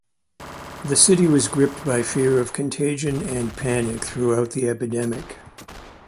The city was gripped by fear of contagion and panic throughout the epidemic.